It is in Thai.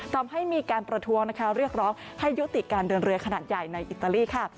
ทำให้มีการประท้วงนะคะเรียกร้องให้ยุติการเดินเรือขนาดใหญ่ในอิตาลีค่ะ